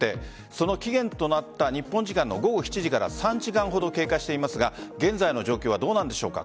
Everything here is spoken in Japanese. その期限となった日本時間の午後７時から３時間ほど経過していますが現在の状況はどうなんでしょうか。